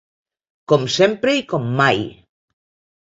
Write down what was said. Com sempre i com mai.